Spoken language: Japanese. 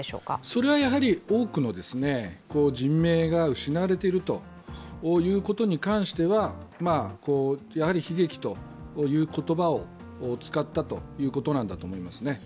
それは多くの人命が失われていることに関してはやはり悲劇という言葉を使ったということなんだと思いますね。